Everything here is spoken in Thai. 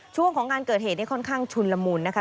ช่วงของงานเกิดเหตุนี้ค่อนข้างชุนละมุนนะคะ